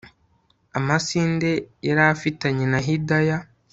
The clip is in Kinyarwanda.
amasinde yarafitanye na Hidaya